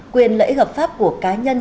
quyền lợi hợp pháp của cá nhân